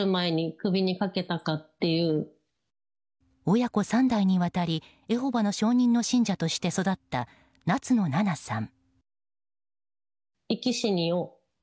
親子３代にわたりエホバの証人の信者として育った夏野ななさん。